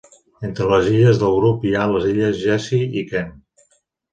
Entre les illes del grup hi ha les illes Jessie i Kent.